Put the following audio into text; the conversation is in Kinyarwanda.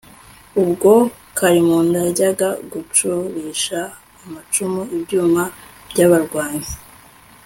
ubwo kalimunda yajyaga gucurisha amacumu (ibyuma) by'abarwanyi